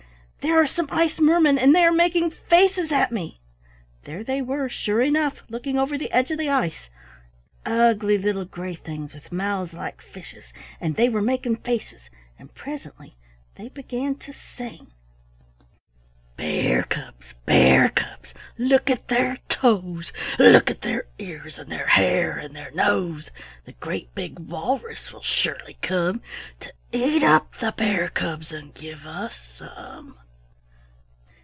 There are some ice mermen and they are making faces at me." There they were, sure enough, looking over the edge of the ice, — ugly little gray things with mouths like fishes, and they were making faces, and presently they began to sing, — "Bear cubs! Bear cubs! Look at their toes; Look at their ears and their hair and their nose. The great big walrus will surely come To eat up the bear cubs and give us some."